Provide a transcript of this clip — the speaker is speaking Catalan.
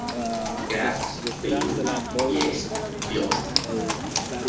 Gras? prim? llest? llosc?